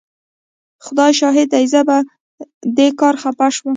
خدای شاهد دی زه په دې کار خفه شوم.